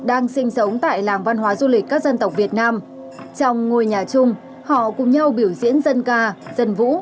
đang sinh sống tại làng văn hóa du lịch các dân tộc việt nam trong ngôi nhà chung họ cùng nhau biểu diễn dân ca dân vũ